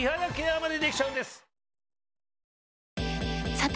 さて！